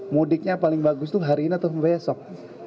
mudiknya paling bagus itu hari ini atau besok